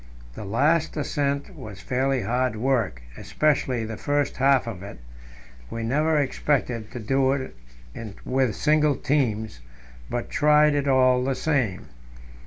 The last ascent was fairly hard work, especially the first half of it. We never expected to do it with single teams, but tried it all the same.